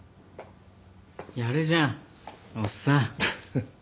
やるじゃんおっさん。